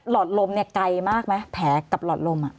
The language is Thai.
อดลมเนี่ยไกลมากไหมแผลกับหลอดลม